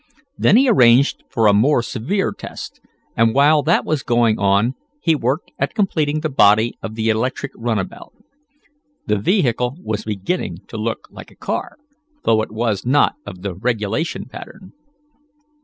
Then he arranged for a more severe test, and while that was going on he worked at completing the body of the electric runabout. The vehicle was beginning to look like a car, though it was not of the regulation pattern.